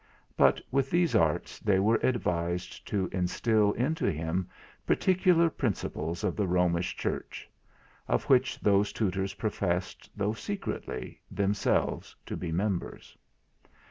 But, with these arts, they were advised to instil into him particular principles of the Romish Church; of which those tutors professed, though secretly, themselves to be members.